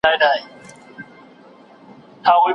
پښتون د خپلې خاورې د ساتنې لپاره قرباني ورکوي.